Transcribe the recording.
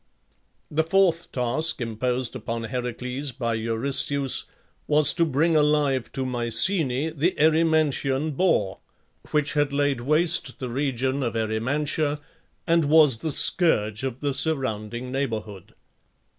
The fourth task imposed upon Heracles by Eurystheus was to bring alive to Mycenæ the Erymantian boar, which had laid waste the region of Erymantia, and was the scourge of the surrounding neighbourhood.